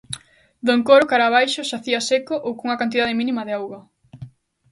Do encoro cara a abaixo, xacía seco ou cunha cantidade mínima de auga.